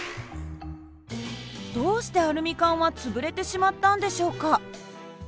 どうしてアルミ缶は潰れてしまったんでしょうか？